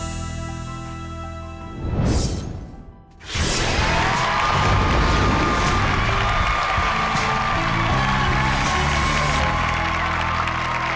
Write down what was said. สวัสดีครับ